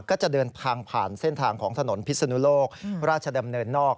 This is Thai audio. ก็จะเดินทางผ่านเส้นทางของถนนพิศนุโลกราชดำเนินนอก